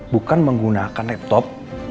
bukan menggunakan laptop